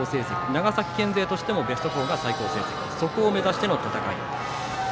長崎県勢としても最高成績そこを目指しての戦い。